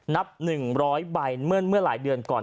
นับหนึ่งร้อยใบเมื่อหลายเดือนก่อน